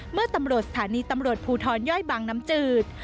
เมื่อตำรวจสถานีตำรวจภูทรย่อยบางน้ำจืด